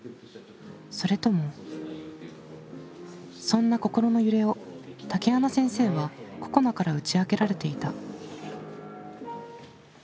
そんな心の揺れを竹花先生はここなから打ち明けられていた。